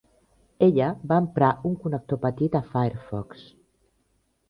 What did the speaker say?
Ella va emprar un connector petit a Firefox.